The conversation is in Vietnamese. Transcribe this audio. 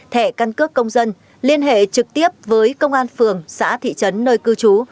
thẻ căn cước công dân liên hệ trực tiếp với công an phường xã thị trấn nơi cư trú